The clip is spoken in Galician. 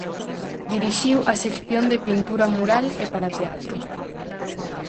Dirixiu a sección de pintura mural e para teatro.